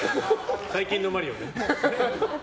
最近のマリオね。